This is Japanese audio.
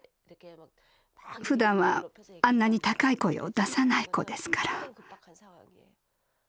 ふだんはあんなに高い声を出さない子ですから。